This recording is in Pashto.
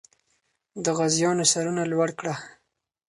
د غازیانو سرونه لوړ کړه.